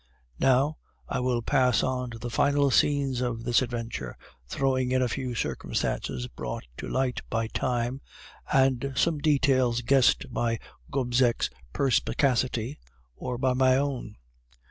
"Now, I will pass on to the final scenes of this adventure, throwing in a few circumstances brought to light by time, and some details guessed by Gobseck's perspicacity or by my own.